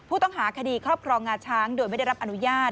ผู้ต้องหาคดีครอบครองงาช้างโดยไม่ได้รับอนุญาต